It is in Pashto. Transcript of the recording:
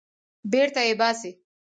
بېرته یې باسي.